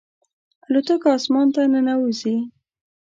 الوتکه اسمان ته ننوځي.